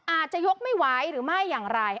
อาจจะยกไม่ไหวหรือไม่อย่างไร